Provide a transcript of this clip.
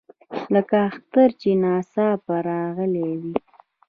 لکه اختر چې ناڅاپه راغلی وي.